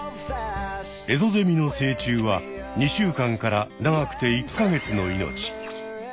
エゾゼミの成虫は２週間から長くて１か月の命。